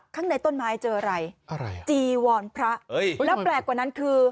ข้างในต้นไม้เจออะไรอะไรจีวรพระเอ้ยแล้วแปลกกว่านั้นคือ